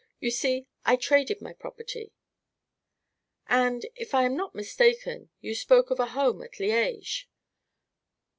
You see, I traded my property." "And, if I am not mistaken, you spoke of a home at Liege."